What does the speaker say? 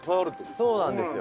そうなんですよ。